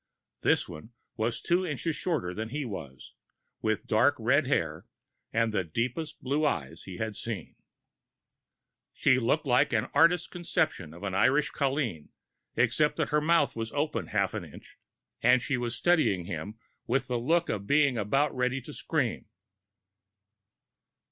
This one was two inches shorter than he was, with dark red hair and the deepest blue eyes he had seen. She looked like an artist's conception of an Irish colleen, except that her mouth was open half an inch, and she was studying him with the look of being about ready to scream.